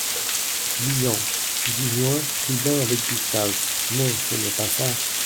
Lisant. « dix Juin — pris bain avec Gustave » non, ce n’est pas ça !